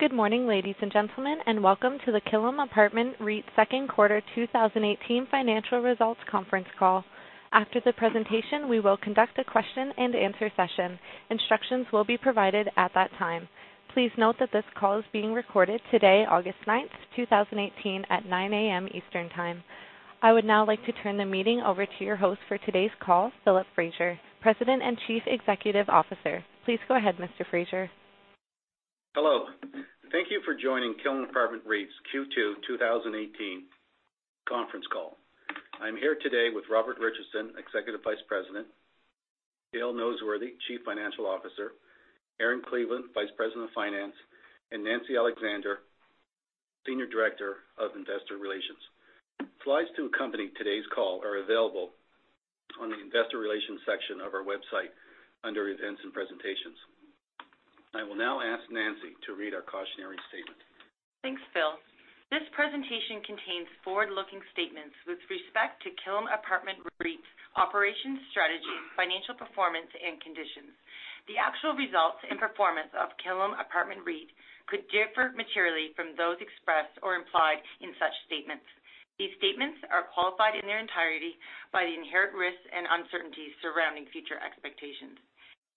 Good morning, ladies and gentlemen, and welcome to the Killam Apartment REIT's second quarter 2018 financial results conference call. After the presentation, we will conduct a question and answer session. Instructions will be provided at that time. Please note that this call is being recorded today, August 9th, 2018, at 9:00 A.M. Eastern Time. I would now like to turn the meeting over to your host for today's call, Philip Fraser, President and Chief Executive Officer. Please go ahead, Mr. Fraser. Hello. Thank you for joining Killam Apartment REIT's Q2 2018 conference call. I am here today with Robert Richardson, Executive Vice President, Dale Noseworthy, Chief Financial Officer, Erin Cleveland, Vice President of Finance, and Nancy Alexander, Senior Director of Investor Relations. Slides to accompany today's call are available on the investor relations section of our website under events and presentations. I will now ask Nancy to read our cautionary statement. Thanks, Phil. This presentation contains forward-looking statements with respect to Killam Apartment REIT's operations, strategy, financial performance, and conditions. The actual results and performance of Killam Apartment REIT could differ materially from those expressed or implied in such statements. These statements are qualified in their entirety by the inherent risks and uncertainties surrounding future expectations.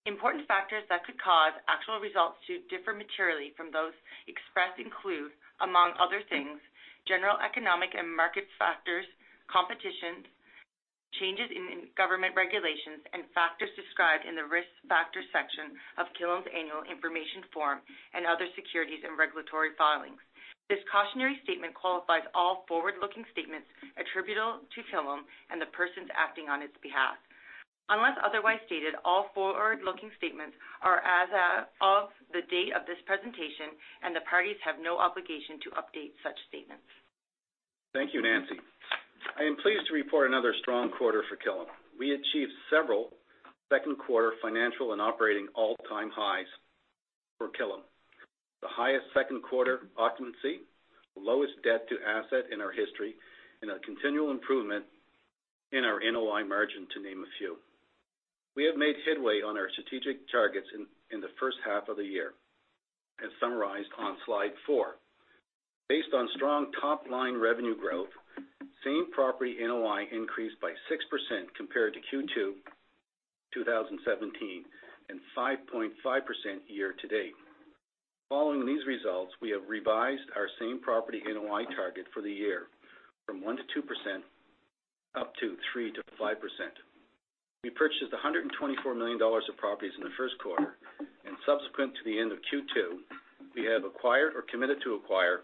Important factors that could cause actual results to differ materially from those expressed include, among other things, general economic and market factors, competition, changes in government regulations, and factors described in the Risk Factors section of Killam's Annual Information Form and other securities and regulatory filings. This cautionary statement qualifies all forward-looking statements attributable to Killam and the persons acting on its behalf. Unless otherwise stated, all forward-looking statements are as of the date of this presentation, and the parties have no obligation to update such statements. Thank you, Nancy. I am pleased to report another strong quarter for Killam. We achieved several second quarter financial and operating all-time highs for Killam. The highest second quarter occupancy, the lowest debt to asset in our history, and a continual improvement in our NOI margin, to name a few. We have made headway on our strategic targets in the first half of the year, as summarized on slide 4. Based on strong top-line revenue growth, same property NOI increased by 6% compared to Q2 2017 and 5.5% year to date. Following these results, we have revised our same property NOI target for the year from 1%-2%, up to 3%-5%. We purchased 124 million dollars of properties in the first quarter, and subsequent to the end of Q2, we have acquired or committed to acquire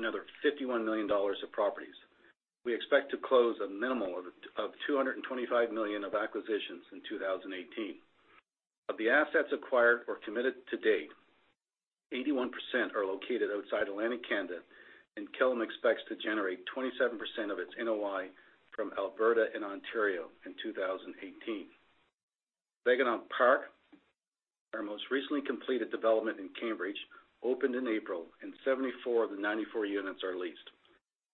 another 51 million dollars of properties. We expect to close a minimum of 225 million of acquisitions in 2018. Of the assets acquired or committed to date, 81% are located outside Atlantic Canada, and Killam expects to generate 27% of its NOI from Alberta and Ontario in 2018. Bégin Park, our most recently completed development in Cambridge, opened in April, and 74 of the 94 units are leased.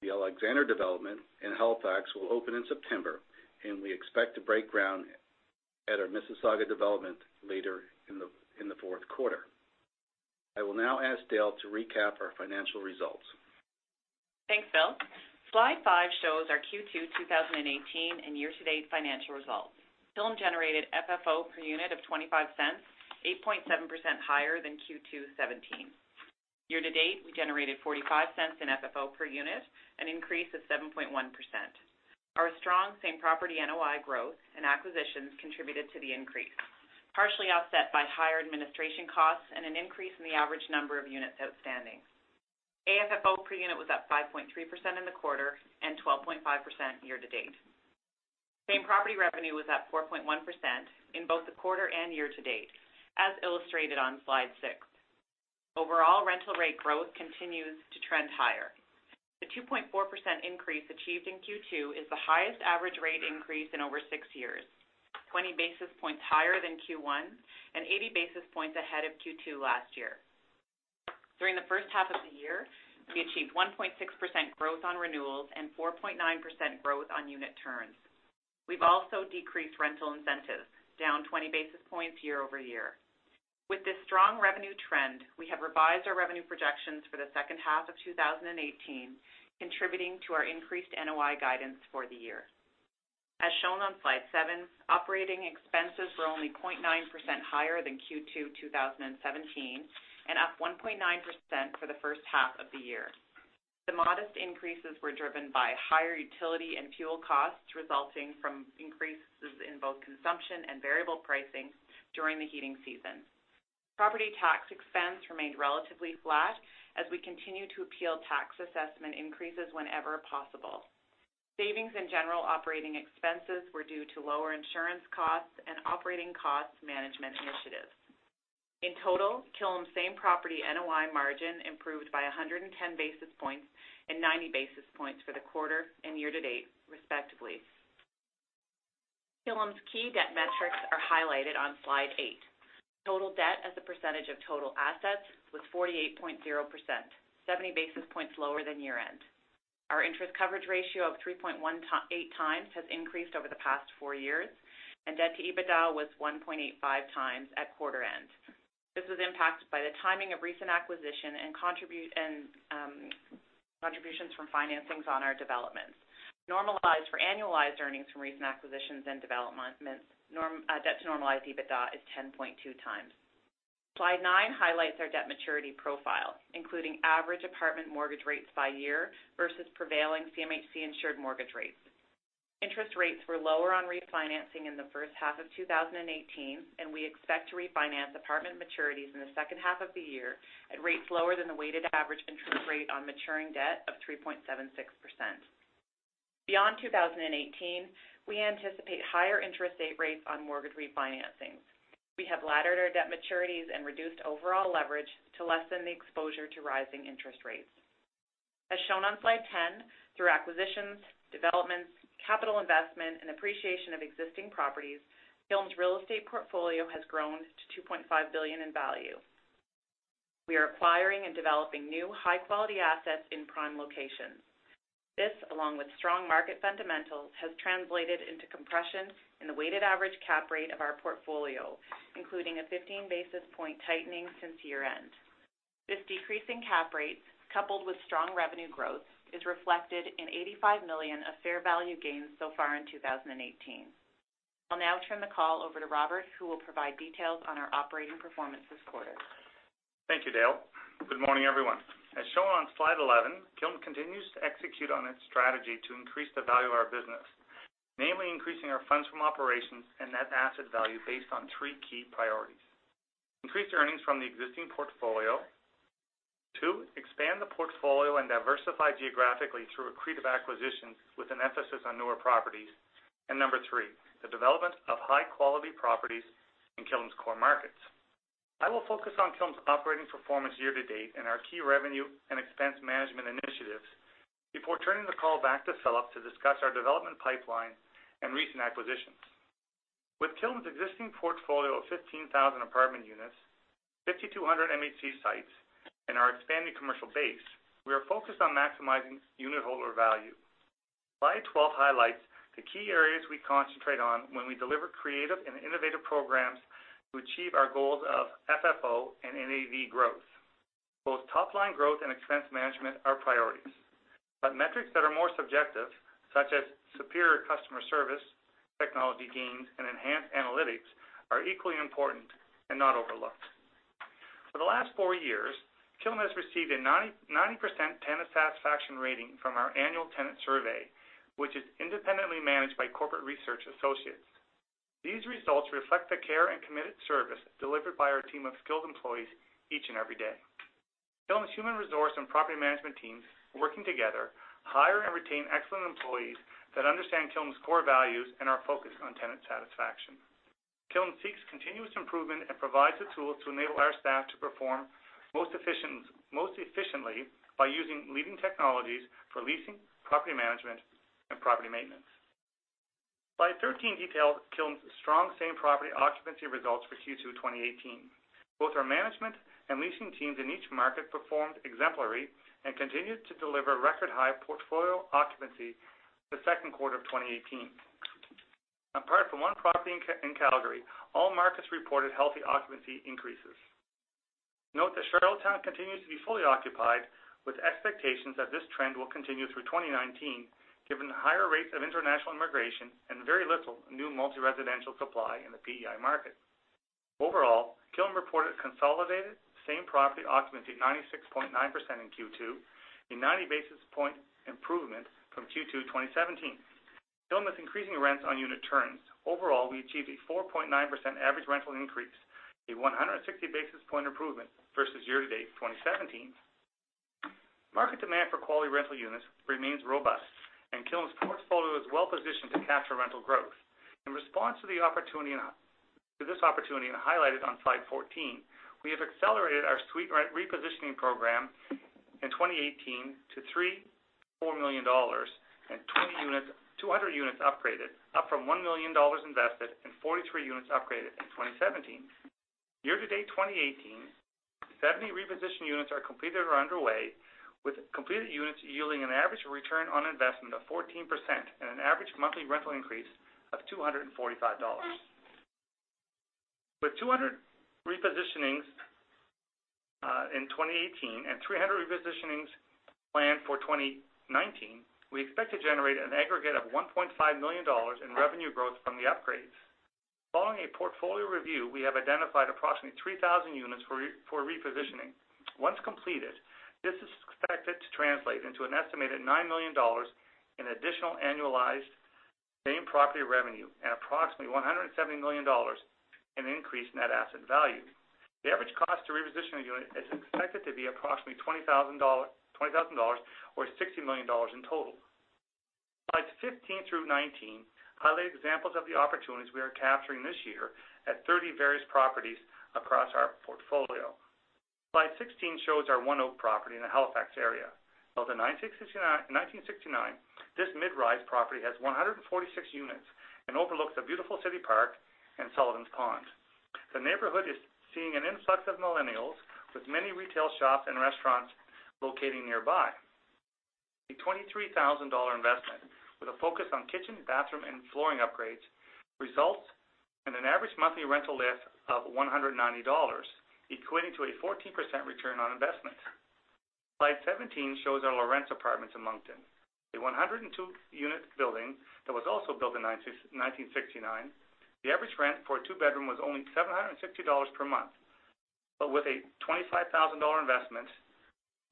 The Alexander development in Halifax will open in September, and we expect to break ground at our Mississauga development later in the fourth quarter. I will now ask Dale to recap our financial results. Thanks, Phil. Slide five shows our Q2 2018 and year-to-date financial results. Killam generated FFO per unit of 0.25, 8.7% higher than Q2 2017. Year to date, we generated 0.45 in FFO per unit, an increase of 7.1%. Our strong same-property NOI growth and acquisitions contributed to the increase, partially offset by higher administration costs and an increase in the average number of units outstanding. AFFO per unit was up 5.3% in the quarter and 12.5% year to date. Same-property revenue was up 4.1% in both the quarter and year to date, as illustrated on slide six. Overall rental rate growth continues to trend higher. The 2.4% increase achieved in Q2 is the highest average rate increase in over six years, 20 basis points higher than Q1 and 80 basis points ahead of Q2 last year. During the first half of the year, we achieved 1.6% growth on renewals and 4.9% growth on unit turns. We've also decreased rental incentives, down 20 basis points year-over-year. With this strong revenue trend, we have revised our revenue projections for the second half of 2018, contributing to our increased NOI guidance for the year. As shown on slide seven, operating expenses were only 0.9% higher than Q2 2017 and up 1.9% for the first half of the year. The modest increases were driven by higher utility and fuel costs resulting from increases in both consumption and variable pricing during the heating season. Property tax expense remained relatively flat as we continue to appeal tax assessment increases whenever possible. Savings in general operating expenses were due to lower insurance costs and operating cost management initiatives. In total, Killam's same-property NOI margin improved by 110 basis points and 90 basis points for the quarter and year to date, respectively. Killam's key debt metrics are highlighted on slide eight. Total debt as a percentage of total assets was 48.0%, 70 basis points lower than year-end. Our interest coverage ratio of 3.18 times has increased over the past four years, and debt to EBITDA was 1.85 times at quarter end. This was impacted by the timing of recent acquisition and contributions from financings on our developments. Normalized for annualized earnings from recent acquisitions and developments, debt to normalized EBITDA is 10.2 times. Slide nine highlights our debt maturity profile, including average apartment mortgage rates by year versus prevailing CMHC insured mortgage rates. Interest rates were lower on refinancing in the first half of 2018, and we expect to refinance apartment maturities in the second half of the year at rates lower than the weighted average interest rate on maturing debt of 3.76%. Beyond 2018, we anticipate higher interest rate rates on mortgage refinancings. We have laddered our debt maturities and reduced overall leverage to lessen the exposure to rising interest rates. As shown on slide 10, through acquisitions, developments, capital investment, and appreciation of existing properties, Killam's real estate portfolio has grown to 2.5 billion in value. We are acquiring and developing new high-quality assets in prime locations. This, along with strong market fundamentals, has translated into compression in the weighted average cap rate of our portfolio, including a 15 basis point tightening since year-end. This decrease in cap rates, coupled with strong revenue growth, is reflected in 85 million of fair value gains so far in 2018. I'll now turn the call over to Robert, who will provide details on our operating performance this quarter. Thank you, Dale. Good morning, everyone. As shown on slide 11, Killam continues to execute on its strategy to increase the value of our business, namely increasing our funds from operations and net asset value based on three key priorities. Increase earnings from the existing portfolio. Two, expand the portfolio and diversify geographically through accretive acquisitions with an emphasis on newer properties. Number three, the development of high-quality properties in Killam's core markets. I will focus on Killam's operating performance year-to-date and our key revenue and expense management initiatives before turning the call back to Philip to discuss our development pipeline and recent acquisitions. With Killam's existing portfolio of 15,000 apartment units, 5,200 MHC sites, and our expanding commercial base, we are focused on maximizing unitholder value. Slide 12 highlights the key areas we concentrate on when we deliver creative and innovative programs to achieve our goals of FFO and NAV growth. Metrics that are more subjective, such as superior customer service, technology gains, and enhanced analytics, are equally important and not overlooked. For the last four years, Killam has received a 90% tenant satisfaction rating from our annual tenant survey, which is independently managed by Corporate Research Associates. These results reflect the care and committed service delivered by our team of skilled employees each and every day. Killam's human resource and property management teams are working together to hire and retain excellent employees that understand Killam's core values and are focused on tenant satisfaction. Killam seeks continuous improvement and provides the tools to enable our staff to perform most efficiently by using leading technologies for leasing, property management, and property maintenance. Slide 13 details Killam's strong same property occupancy results for Q2 2018. Both our management and leasing teams in each market performed exemplary and continued to deliver record-high portfolio occupancy the second quarter of 2018. Apart from one property in Calgary, all markets reported healthy occupancy increases. Note that Charlottetown continues to be fully occupied, with expectations that this trend will continue through 2019, given the higher rates of international immigration and very little new multi-residential supply in the PEI market. Overall, Killam reported consolidated same property occupancy 96.9% in Q2, a 90 basis point improvement from Q2 2017. Killam is increasing rents on unit turns. Overall, we achieved a 4.9% average rental increase, a 160 basis point improvement versus year-to-date 2017. Market demand for quality rental units remains robust, and Killam's portfolio is well-positioned to capture rental growth. In response to this opportunity highlighted on Slide 14, we have accelerated our suite repositioning program in 2018 to 3 million-4 million dollars and 200 units upgraded, up from 1 million dollars invested and 43 units upgraded in 2017. Year-to-date 2018, 70 reposition units are completed or underway, with completed units yielding an average return on investment of 14% and an average monthly rental increase of 245 dollars. With 200 repositionings in 2018 and 300 repositionings planned for 2019, we expect to generate an aggregate of 1.5 million dollars in revenue growth from the upgrades. Following a portfolio review, we have identified approximately 3,000 units for repositioning. Once completed, this is expected to translate into an estimated 9 million dollars in additional annualized same property revenue and approximately 170 million dollars in increased NAV. The average cost to reposition a unit is expected to be approximately 20,000 dollars, or 60 million dollars in total. Slides 15 through 19 highlight examples of the opportunities we are capturing this year at 30 various properties across our portfolio. Slide 16 shows our One Oak property in the Halifax area. Built in 1969, this mid-rise property has 146 units and overlooks a beautiful city park and Sullivan's Pond. The neighborhood is seeing an influx of millennials with many retail shops and restaurants locating nearby. A 23,000 dollar investment with a focus on kitchen, bathroom, and flooring upgrades results in an average monthly rental lift of 190 dollars, equating to a 14% ROI. Slide 17 shows our Lorentz Apartments in Moncton. A 102-unit building that was also built in 1969. The average rent for a two-bedroom was only 760 dollars per month. With a 25,000 dollar investment,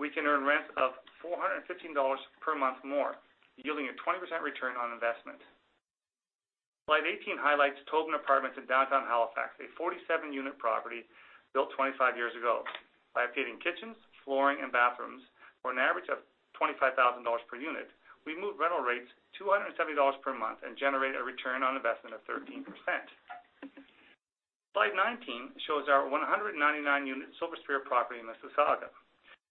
we can earn rent of 415 dollars per month more, yielding a 20% ROI. Slide 18 highlights Tobin Street in downtown Halifax, a 47-unit property built 25 years ago. By updating kitchens, flooring, and bathrooms for an average of 25,000 dollars per unit, we moved rental rates 270 dollars per month and generate a return on investment of 13%. Slide 19 shows our 199-unit Silver Spear property in Mississauga.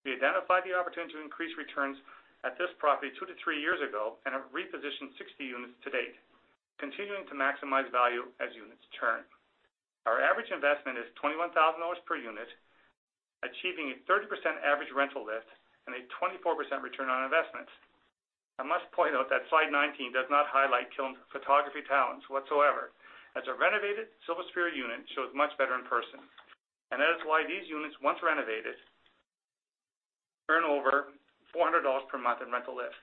We identified the opportunity to increase returns at this property two to three years ago and have repositioned 60 units to date, continuing to maximize value as units turn. Our average investment is 21,000 dollars per unit, achieving a 30% average rental lift and a 24% ROI. I must point out that slide 19 does not highlight Killam's photography talents whatsoever, as a renovated Silver Spear unit shows much better in person. That is why these units, once renovated, earn over 400 dollars per month in rental lift.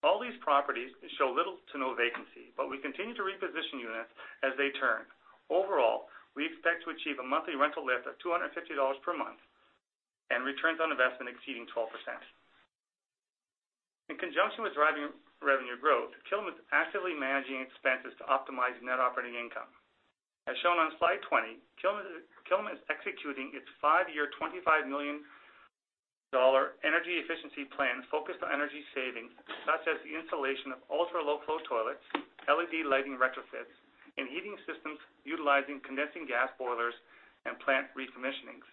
All these properties show little to no vacancy, but we continue to reposition units as they turn. Overall, we expect to achieve a monthly rental lift of 250 dollars per month and returns on investment exceeding 12%. In conjunction with driving revenue growth, Killam is actively managing expenses to optimize net operating income. As shown on Slide 20, Killam is executing its five-year 25 million dollar energy efficiency plan focused on energy savings, such as the installation of ultra-low flow toilets, LED lighting retrofits, and heating systems utilizing condensing gas boilers and plant recommissionings.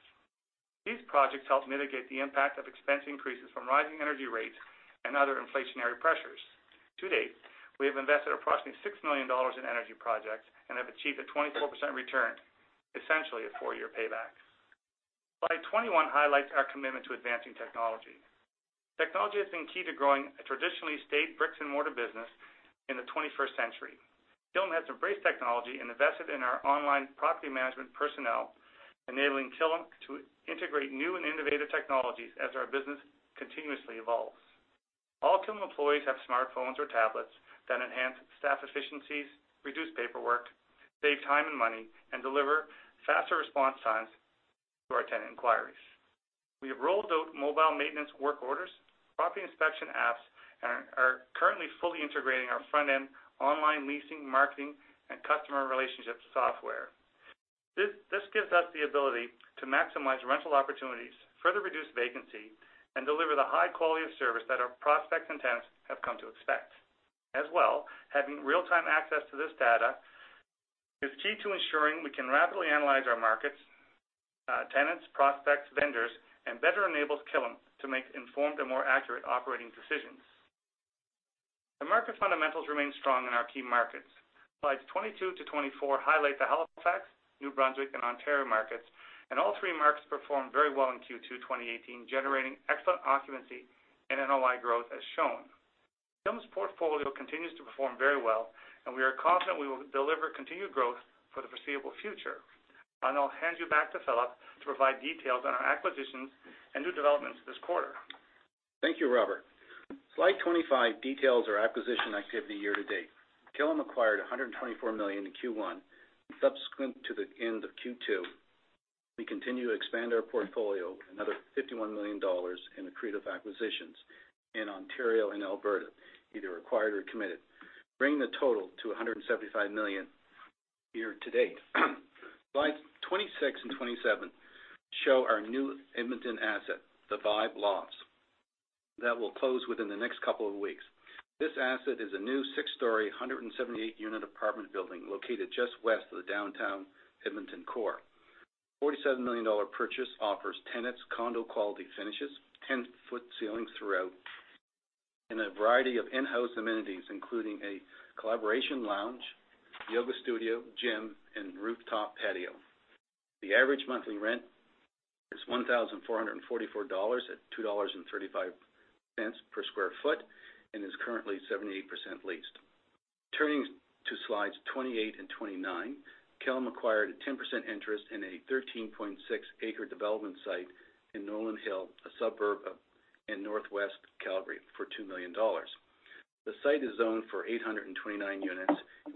These projects help mitigate the impact of expense increases from rising energy rates and other inflationary pressures. To date, we have invested approximately 6 million dollars in energy projects and have achieved a 24% return, essentially a four-year payback. Slide 21 highlights our commitment to advancing technology. Technology has been key to growing a traditionally staid bricks and mortar business in the 21st century. Killam has embraced technology and invested in our online property management personnel, enabling Killam to integrate new and innovative technologies as our business continuously evolves. All Killam employees have smartphones or tablets that enhance staff efficiencies, reduce paperwork, save time and money, and deliver faster response times to our tenant inquiries. We have rolled out mobile maintenance work orders, property inspection apps, and are currently fully integrating our front-end online leasing, marketing, and customer relationship software. This gives us the ability to maximize rental opportunities, further reduce vacancy, and deliver the high quality of service that our prospects and tenants have come to expect. Having real-time access to this data is key to ensuring we can rapidly analyze our markets, tenants, prospects, vendors, and better enables Killam to make informed and more accurate operating decisions. The market fundamentals remain strong in our key markets. Slides 22 to 24 highlight the Halifax, New Brunswick, and Ontario markets, and all three markets performed very well in Q2 2018, generating excellent occupancy and NOI growth as shown. Killam's portfolio continues to perform very well, and we are confident we will deliver continued growth for the foreseeable future. I'll now hand you back to Philip to provide details on our acquisitions and new developments this quarter. Thank you, Robert. Slide 25 details our acquisition activity year to date. Killam acquired 124 million in Q1. Subsequent to the end of Q2, we continue to expand our portfolio another 51 million dollars in accretive acquisitions in Ontario and Alberta, either acquired or committed, bringing the total to 175 million year to date. Slides 26 and 27 show our new Edmonton asset, The Vibe Lofts, that will close within the next couple of weeks. This asset is a new six-story, 178-unit apartment building located just west of the downtown Edmonton core. 47 million dollar purchase offers tenants condo-quality finishes, 10-foot ceilings throughout, and a variety of in-house amenities, including a collaboration lounge, yoga studio, gym, and rooftop patio. The average monthly rent is 1,444 dollars at 2.35 dollars per square foot and is currently 78% leased. Turning to slides 28 and 29, Killam acquired a 10% interest in a 13.6-acre development site in Nolan Hill, a suburb in Northwest Calgary, for CAD 2 million.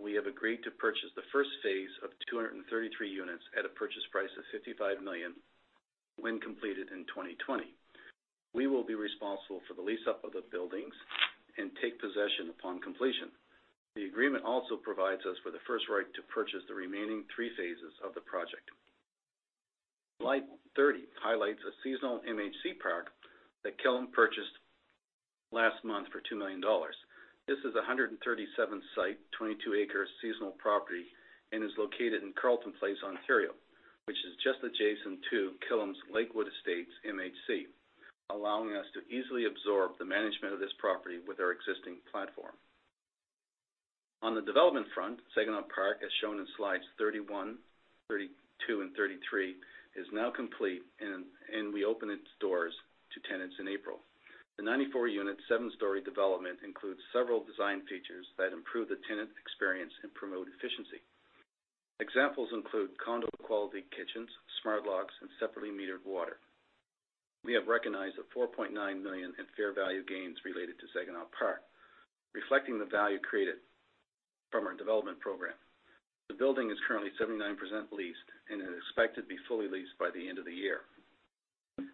We have agreed to purchase the first phase of 233 units at a purchase price of 55 million when completed in 2020. We will be responsible for the lease-up of the buildings and take possession upon completion. The agreement also provides us with the first right to purchase the remaining three phases of the project. Slide 30 highlights a seasonal MHC park that Killam purchased last month for 2 million dollars. This is a 137-site, 22-acre seasonal property, and is located in Carleton Place, Ontario, which is just adjacent to Killam's Lakewood Estates MHC. Allowing us to easily absorb the management of this property with our existing platform. On the development front, Saginaw Park, as shown in slides 31, 32, and 33, is now complete. We opened its doors to tenants in April. The 94-unit, seven-story development includes several design features that improve the tenant experience and promote efficiency. Examples include condo-quality kitchens, smart locks, and separately metered water. We have recognized 4.9 million in fair value gains related to Saginaw Park, reflecting the value created from our development program. The building is currently 79% leased and is expected to be fully leased by the end of the year.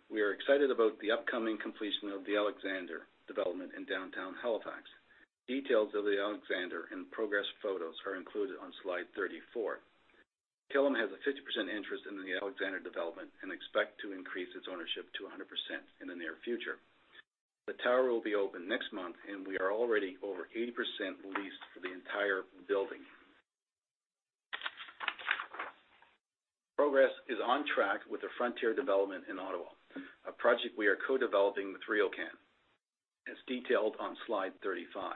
We are excited about the upcoming completion of The Alexander development in Downtown Halifax. Details of The Alexander and progress photos are included on slide 34. Killam has a 50% interest in The Alexander development and expects to increase its ownership to 100% in the near future. The tower will be open next month. We are already over 80% leased for the entire building. Progress is on track with the Frontier development in Ottawa, a project we are co-developing with RioCan, as detailed on slide 35.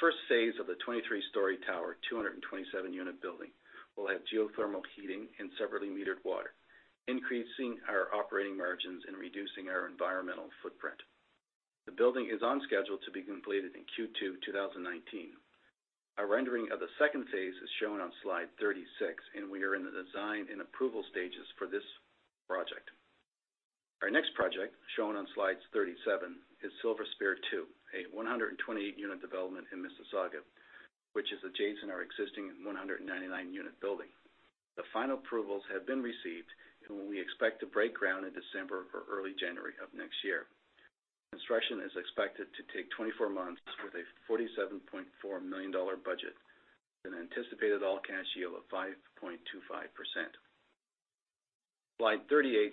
First phase of the 23-story tower, 227-unit building, will have geothermal heating and separately metered water, increasing our operating margins and reducing our environmental footprint. The building is on schedule to be completed in Q2 2019. A rendering of the second phase is shown on slide 36. We are in the design and approval stages for this project. Our next project, shown on slide 37, is Silver Spear II, a 128-unit development in Mississauga, which is adjacent to our existing 199-unit building. The final approvals have been received. We expect to break ground in December or early January of next year. Construction is expected to take 24 months with a 47.4 million dollar budget and anticipated all-cash yield of 5.25%. Slide 38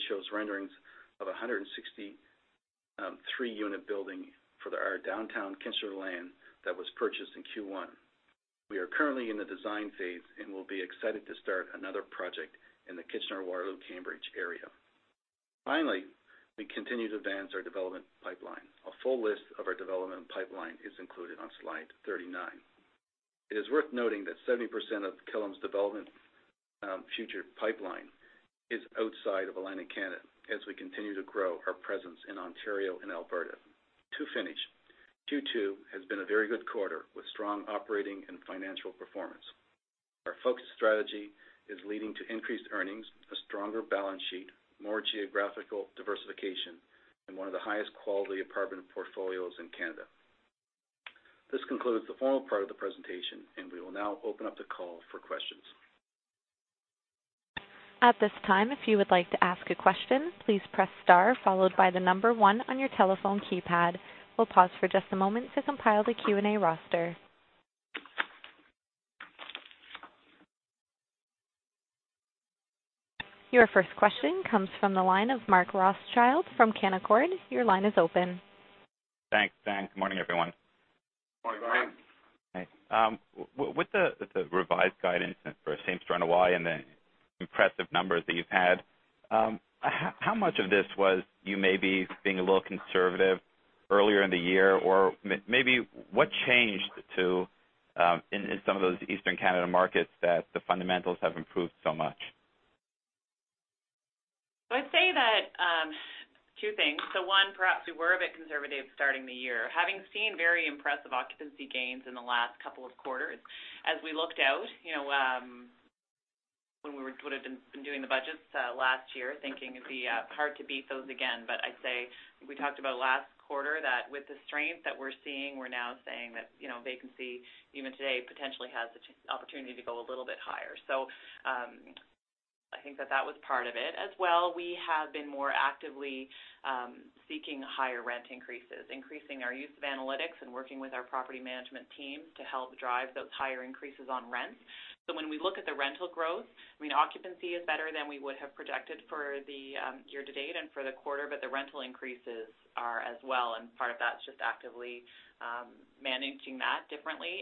shows renderings of 163-unit building for our Downtown Kitchener land that was purchased in Q1. We are currently in the design phase and will be excited to start another project in the Kitchener-Waterloo-Cambridge area. Finally, we continue to advance our development pipeline. A full list of our development pipeline is included on slide 39. It is worth noting that 70% of Killam's development future pipeline is outside of Atlantic Canada, as we continue to grow our presence in Ontario and Alberta. To finish, Q2 has been a very good quarter, with strong operating and financial performance. Our focused strategy is leading to increased earnings, a stronger balance sheet, more geographical diversification, and one of the highest quality apartment portfolios in Canada. This concludes the formal part of the presentation. We will now open up the call for questions. At this time, if you would like to ask a question, please press star followed by the number one on your telephone keypad. We'll pause for just a moment to compile the Q&A roster. Your first question comes from the line of Mark Rothschild from Canaccord. Your line is open. Thanks. Morning, everyone. Morning. Hi. With the revised guidance for same store NOI and the impressive numbers that you've had, how much of this was you maybe being a little conservative earlier in the year? Maybe what changed in some of those Eastern Canada markets that the fundamentals have improved so much? I'd say that two things. One, perhaps we were a bit conservative starting the year. Having seen very impressive occupancy gains in the last couple of quarters, as we looked out, when we would have been doing the budgets last year, thinking it would be hard to beat those again. I'd say, we talked about last quarter, that with the strength that we are seeing, we are now saying that vacancy even today potentially has the opportunity to go a little bit higher. I think that that was part of it. As well, we have been more actively seeking higher rent increases, increasing our use of analytics and working with our property management teams to help drive those higher increases on rents. When we look at the rental growth, occupancy is better than we would have projected for the year-to-date and for the quarter, the rental increases are as well, and part of that is just actively managing that differently.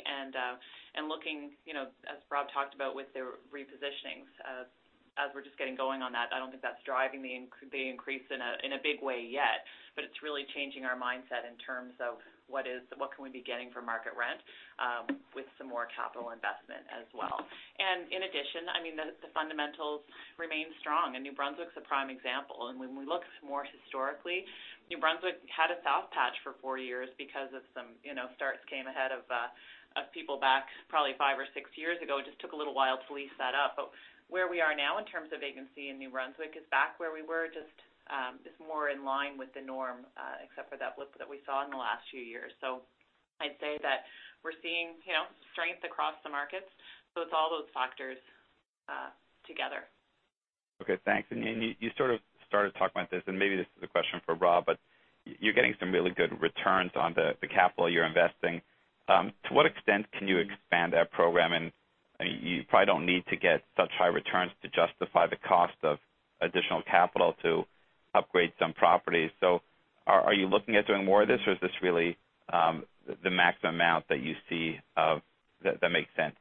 Looking, as Rob talked about with the repositionings, as we are just getting going on that, I don't think that is driving the increase in a big way yet, it is really changing our mindset in terms of what can we be getting for market rent with some more capital investment as well. In addition, the fundamentals remain strong, and New Brunswick is a prime example. When we look more historically, New Brunswick had a south patch for four years because of some starts came ahead of people back probably five or six years ago. It just took a little while to lease that up. Where we are now in terms of vacancy in New Brunswick is back where we were, just more in line with the norm, except for that blip that we saw in the last few years. I'd say that we are seeing strength across the markets, it is all those factors together. Okay, thanks. You sort of started talking about this, and maybe this is a question for Rob, you are getting some really good returns on the capital you are investing. To what extent can you expand that program? You probably don't need to get such high returns to justify the cost of additional capital to upgrade some properties. Are you looking at doing more of this, or is this really the maximum amount that you see that makes sense?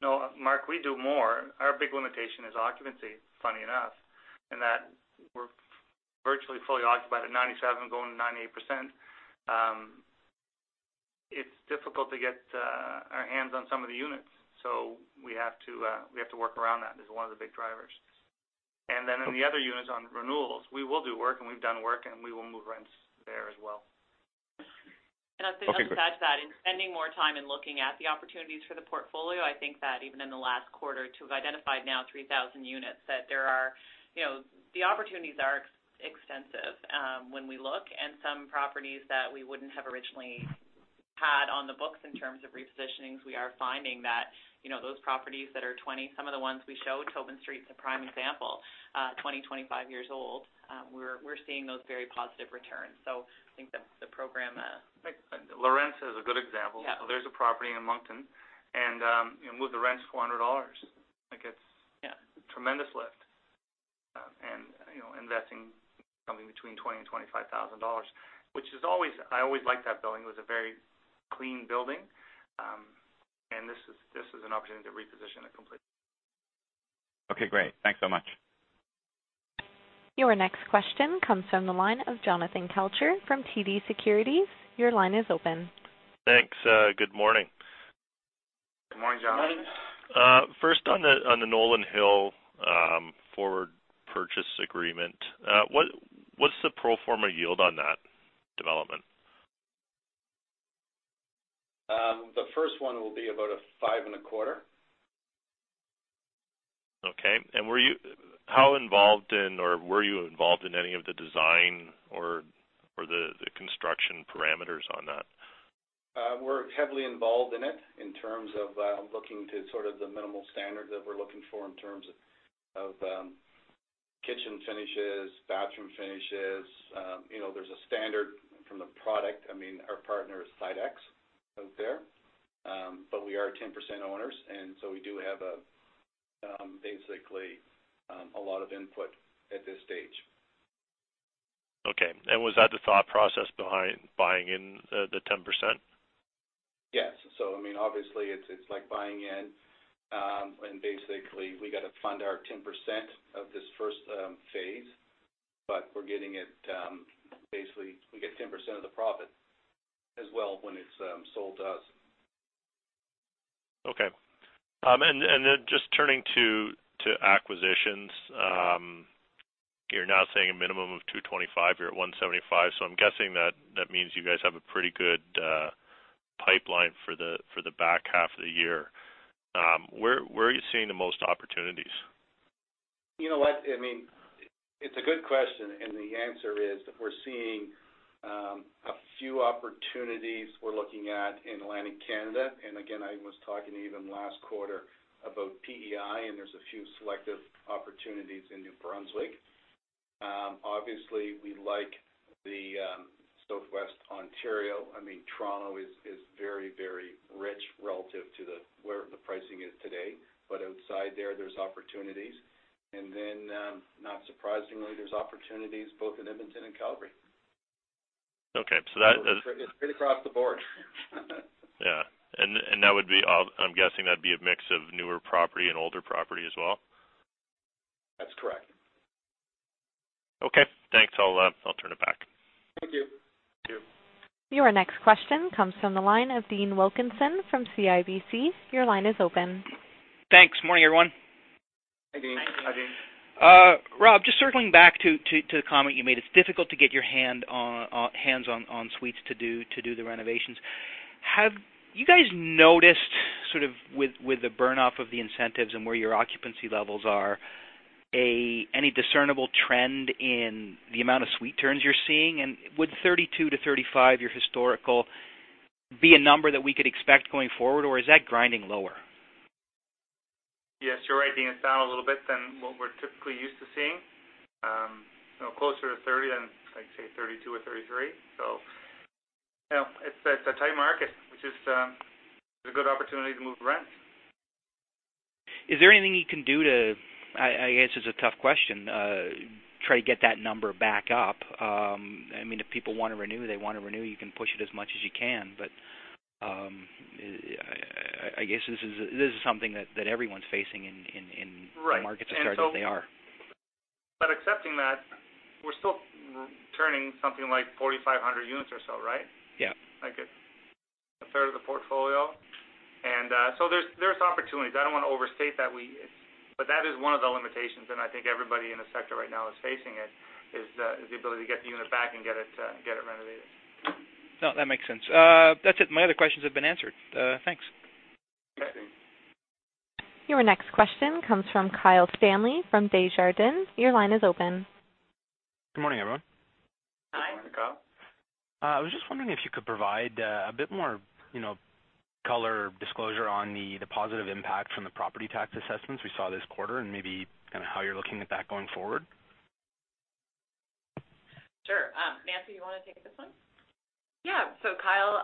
No, Mark, we do more. Our big limitation is occupancy, funny enough, in that we're virtually fully occupied at 97%, going to 98%. It's difficult to get our hands on some of the units, so we have to work around that. That's one of the big drivers. Then in the other units on renewals, we will do work, and we've done work, and we will move rents there as well. I'd say just add to that, in spending more time in looking at the opportunities for the portfolio, I think that even in the last quarter to have identified now 3,000 units, that the opportunities are extensive. When we look at some properties that we wouldn't have originally had on the books in terms of repositionings, we are finding that those properties that are 20, some of the ones we showed, Tobin Street's a prime example, 20, 25 years old. We're seeing those very positive returns. I think that's the program. Lorenza is a good example. Yeah. There's a property in Moncton, and moved the rents CAD 400. Yeah tremendous lift. Investing something between 20,000 and 25,000 dollars, which I always liked that building. It was a very clean building. This is an opportunity to reposition and complete. Okay, great. Thanks so much. Your next question comes from the line of Jonathan Kelcher from TD Securities. Your line is open. Thanks. Good morning. Good morning, Jonathan. Morning. First, on the Nolan Hill forward purchase agreement. What's the pro forma yield on that development? The first one will be about a five and a quarter. Okay. How involved in, or were you involved in any of the design or the construction parameters on that? We're heavily involved in it in terms of looking to sort of the minimal standards that we're looking for in terms of kitchen finishes, bathroom finishes. There's a standard from the product. Our partner is Cidex out there. We are 10% owners, and so we do have basically a lot of input at this stage. Okay. Was that the thought process behind buying in the 10%? Yes. Obviously, it's like buying in. Basically, we got to fund our 10% of this first phase. We get 10% of the profit as well when it's sold to us. Okay. Just turning to acquisitions. You're now saying a minimum of 225. You're at 175. I'm guessing that means you guys have a pretty good pipeline for the back half of the year. Where are you seeing the most opportunities? You know what? It's a good question. The answer is we're seeing a few opportunities we're looking at in Atlantic Canada. Again, I was talking to you even last quarter about PEI, there's a few selective opportunities in New Brunswick. Obviously, we like the Southwest Ontario. Toronto is very rich relative to where the pricing is today. Outside there's opportunities. Then, not surprisingly, there's opportunities both in Edmonton and Calgary. Okay. It's right across the board. Yeah. I'm guessing that'd be a mix of newer property and older property as well? That's correct. Okay, thanks. I'll turn it back. Thank you. Thank you. Your next question comes from the line of Dean Wilkinson from CIBC. Your line is open. Thanks. Morning, everyone. Hi, Dean. Hi, Dean. Rob, just circling back to the comment you made, it's difficult to get your hands on suites to do the renovations. Have you guys noticed sort of with the burn-off of the incentives and where your occupancy levels are, any discernible trend in the amount of suite turns you're seeing? Would 32-35, your historical, be a number that we could expect going forward, or is that grinding lower? Yes, you're right, Dean. It's down a little bit than what we're typically used to seeing. Closer to 30 than, say, 32 or 33. It's a tight market, which is a good opportunity to move rent. Is there anything you can do to, I guess it's a tough question, try to get that number back up? If people want to renew, they want to renew. You can push it as much as you can, but I guess this is something that everyone's facing in- Right. -the markets as hard as they are. Accepting that, we're still turning something like 4,500 units or so, right? Yeah. Like a third of the portfolio. So there's opportunities. I don't want to overstate that. That is one of the limitations, and I think everybody in the sector right now is facing it, is the ability to get the unit back and get it renovated. No, that makes sense. That's it. My other questions have been answered. Thanks. Okay. Your next question comes from Kyle Stanley from Desjardins. Your line is open. Good morning, everyone. Good morning, Kyle. Hi. I was just wondering if you could provide a bit more color or disclosure on the positive impact from the property tax assessments we saw this quarter, and maybe kind of how you're looking at that going forward. Sure. Nancy, you want to take this one? Yeah. Kyle,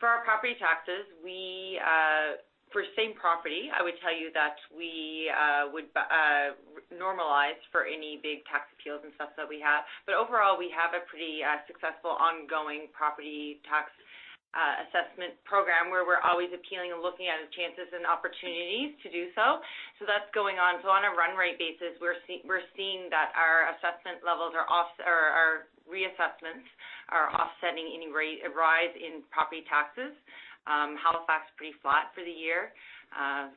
for our property taxes, for same property, I would tell you that we would normalize for any big tax appeals and stuff that we have. Overall, we have a pretty successful ongoing property tax Assessment program where we're always appealing and looking at chances and opportunities to do so. That's going on. On a run rate basis, we're seeing that our assessment levels are off, or our reassessments are offsetting any rate rise in property taxes. Halifax, pretty flat for the year.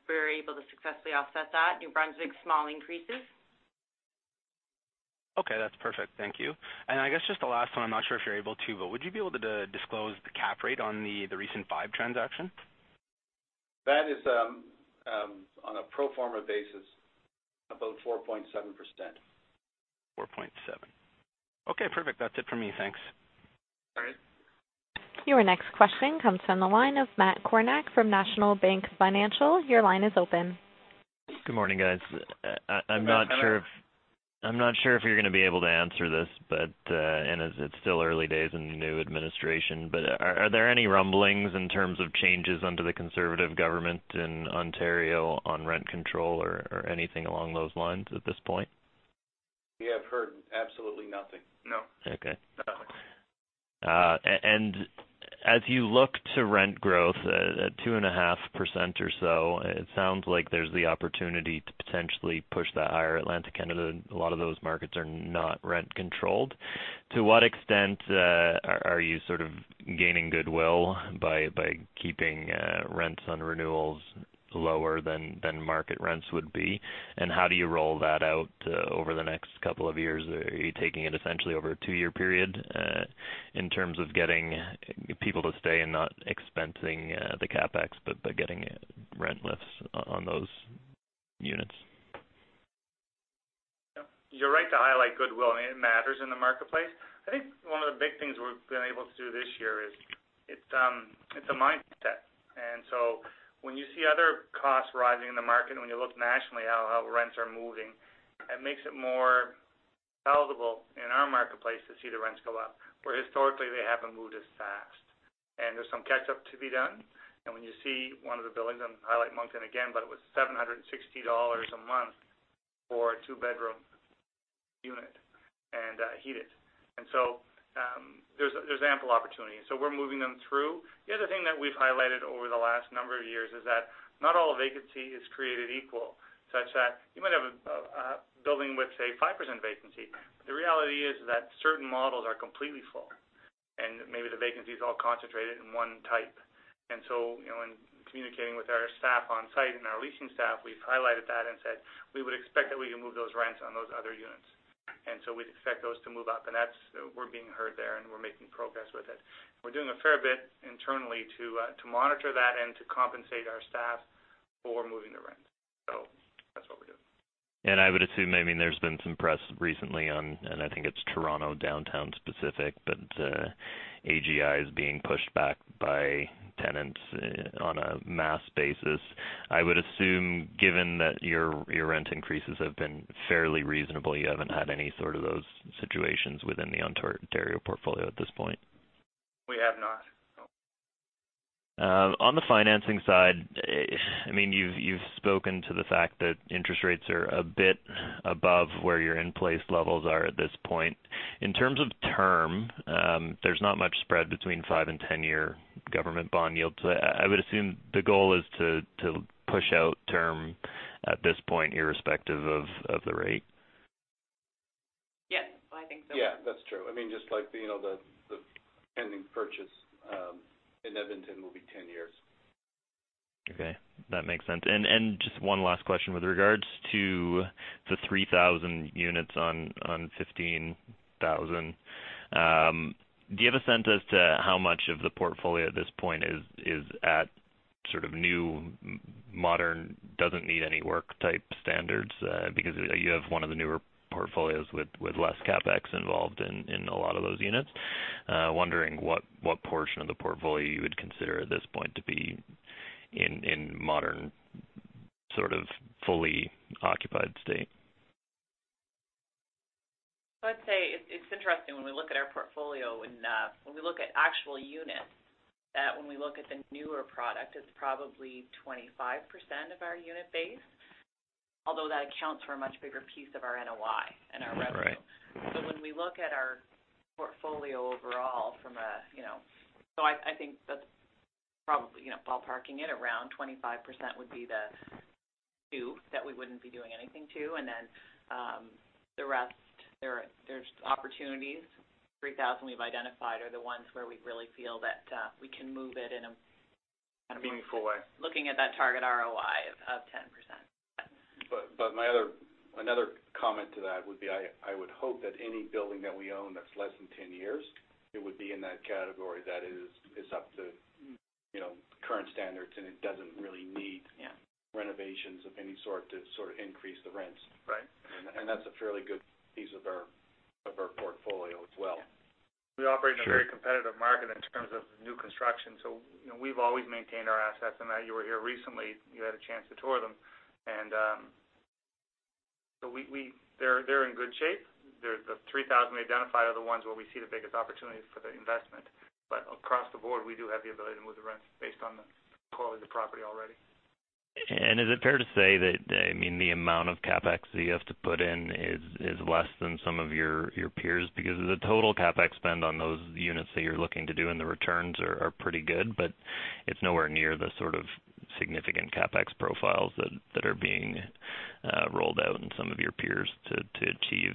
We were able to successfully offset that. New Brunswick, small increases. Okay, that's perfect. Thank you. I guess just the last one, I'm not sure if you're able to, but would you be able to disclose the cap rate on the recent Vibe transaction? That is on a pro forma basis, about 4.7%. 4.7. Okay, perfect. That's it for me, thanks. All right. Your next question comes from the line of Matt Kornack from National Bank Financial. Your line is open. Good morning, guys. Good morning. I'm not sure if you're going to be able to answer this, but, as it's still early days in the new administration, are there any rumblings in terms of changes under the Conservative government in Ontario on rent control or anything along those lines at this point? We have heard absolutely nothing. No. Okay. As you look to rent growth at 2.5% or so, it sounds like there's the opportunity to potentially push that higher. Atlantic Canada, a lot of those markets are not rent controlled. To what extent are you sort of gaining goodwill by keeping rents on renewals lower than market rents would be? How do you roll that out over the next couple of years? Are you taking it essentially over a two-year period in terms of getting people to stay and not expensing the CapEx, but getting rent lifts on those units? You're right to highlight goodwill, it matters in the marketplace. One of the big things we've been able to do this year is it's a mindset. When you see other costs rising in the market, when you look nationally how rents are moving, it makes it more palatable in our marketplace to see the rents go up, where historically they haven't moved as fast. There's some catch-up to be done. When you see one of the buildings, I'm going to highlight Moncton again, but it was 760 dollars a month for a two-bedroom unit, and heated. There's ample opportunity. We're moving them through. The other thing that we've highlighted over the last number of years is that not all vacancy is created equal, such that you might have a building with, say, 5% vacancy. The reality is that certain models are completely full, and maybe the vacancy is all concentrated in one type. In communicating with our staff on-site and our leasing staff, we've highlighted that and said we would expect that we can move those rents on those other units. We'd expect those to move up. We're being heard there, and we're making progress with it. We're doing a fair bit internally to monitor that and to compensate our staff for moving the rent. That's what we're doing. I would assume, there's been some press recently on, I think it's Toronto downtown specific, but AGI is being pushed back by tenants on a mass basis. I would assume given that your rent increases have been fairly reasonable, you haven't had any sort of those situations within the Ontario portfolio at this point. We have not. On the financing side, you've spoken to the fact that interest rates are a bit above where your in-place levels are at this point. In terms of term, there's not much spread between 5- and 10-year government bond yields. I would assume the goal is to push out term at this point, irrespective of the rate. Yes, I think so. Yeah, that's true. Just like the pending purchase in Edmonton will be 10 years. Okay. That makes sense. Just one last question with regards to the 3,000 units on 15,000. Do you have a sense as to how much of the portfolio at this point is at sort of new, modern, doesn't-need-any-work type standards? Because you have one of the newer portfolios with less CapEx involved in a lot of those units. Wondering what portion of the portfolio you would consider at this point to be in modern sort of fully occupied state. I'd say it's interesting when we look at our portfolio and when we look at actual units, that when we look at the newer product, it's probably 25% of our unit base, although that accounts for a much bigger piece of our NOI and our revenue. Right. When we look at our portfolio overall. I think that's probably, ballparking it, around 25% would be the two that we wouldn't be doing anything to, and then the rest, there's opportunities. 3,000 we've identified are the ones where we really feel that we can move it. Meaningful way looking at that target ROI of 10%. Yeah. Another comment to that would be, I would hope that any building that we own that's less than 10 years, it would be in that category that is up to current standards, and it doesn't really need Yeah renovations of any sort to sort of increase the rents. Right. That's a fairly good piece of our portfolio as well. Yeah. Sure. We operate in a very competitive market in terms of new construction, so we've always maintained our assets. Matt, you were here recently. You had a chance to tour them. They're in good shape. The 3,000 we identified are the ones where we see the biggest opportunities for the investment. Across the board, we do have the ability to move the rents based on the quality of the property already. Is it fair to say that the amount of CapEx that you have to put in is less than some of your peers? Because the total CapEx spend on those units that you're looking to do and the returns are pretty good, but it's nowhere near the sort of significant CapEx profiles that are being rolled out in some of your peers to achieve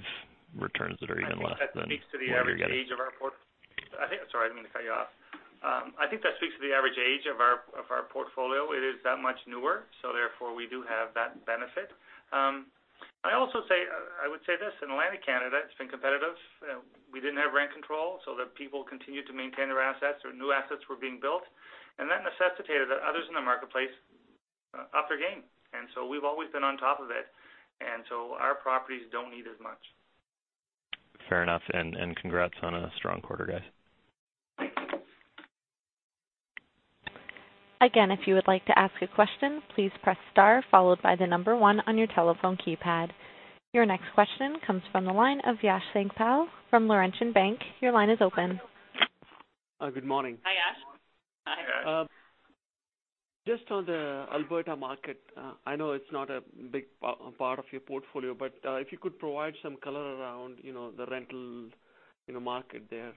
returns that are even less than what you're getting. Sorry, I didn't mean to cut you off. I think that speaks to the average age of our portfolio. It is that much newer, so therefore we do have that benefit. I would say this, in Atlantic Canada, it's been competitive. We didn't have rent control, so the people continued to maintain their assets or new assets were being built. That necessitated that others in the marketplace up their game. We've always been on top of it, and so our properties don't need as much. Fair enough, congrats on a strong quarter, guys. Again, if you would like to ask a question, please press star followed by the number 1 on your telephone keypad. Your next question comes from the line of Yash Sankpal from Laurentian Bank. Your line is open. Good morning. Hi, Yash. Just on the Alberta market, I know it's not a big part of your portfolio, but if you could provide some color around the rental market there,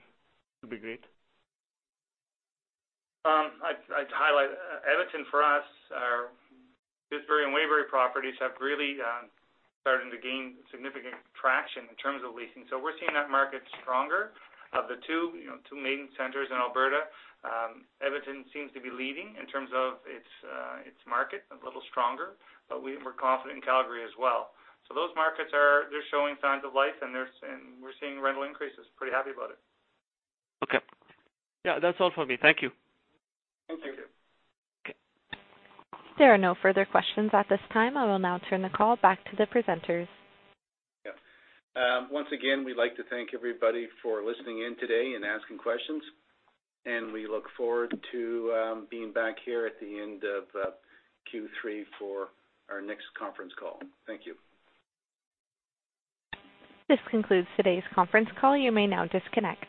it'd be great. I'd highlight Edmonton for us. Our Pittsburgh and Waverley properties have really started to gain significant traction in terms of leasing. We're seeing that market stronger. Of the two main centers in Alberta, Edmonton seems to be leading in terms of its market, a little stronger, but we're confident in Calgary as well. Those markets are showing signs of life, and we're seeing rental increases. Pretty happy about it. Okay. Yeah, that's all for me. Thank you. Thank you. Okay. There are no further questions at this time. I will now turn the call back to the presenters. Once again, we'd like to thank everybody for listening in today and asking questions, and we look forward to being back here at the end of Q3 for our next conference call. Thank you. This concludes today's conference call. You may now disconnect.